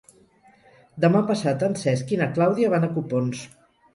Demà passat en Cesc i na Clàudia van a Copons.